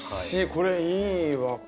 これいいわ。